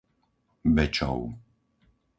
Bečov